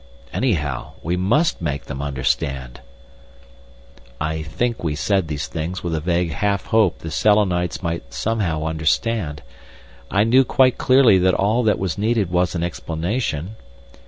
"Anyhow, we must make them understand." I think we said these things with a vague half hope the Selenites might somehow understand. I knew quite clearly that all that was needed was an explanation.